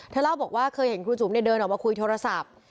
เล่าบอกว่าเคยเห็นครูจุ๋มเดินออกมาคุยโทรศัพท์